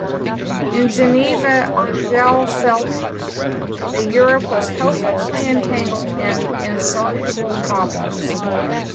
In Geneva, Angell felt that Europe was "hopelessly entangled in insoluble problems".